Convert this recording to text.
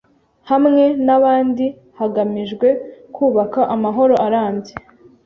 Hamwe n’abandi...hagamijwe kubaka amahoro arambye.